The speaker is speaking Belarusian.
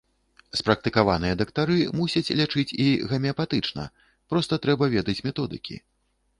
Спрактыкаваныя дактары мусяць лячыць і гамеапатычна, проста трэба ведаць методыкі.